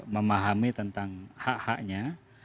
memahami tentang hak haknya